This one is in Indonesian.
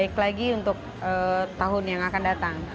dan properti akan lebih baik lagi untuk tahun yang akan datang